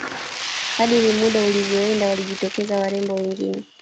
kadiri muda ulivyoenda walijitokeza warembo wengine